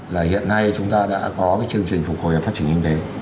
là hiện nay chúng ta đã có cái chương trình phục hồi và phát triển kinh tế